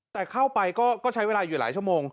แต่เข้าไปก็ใช้เวลาอยู่หลายชั่วโมง